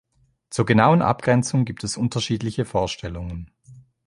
Zur genauen Abgrenzung gibt es unterschiedliche Vorstellungen.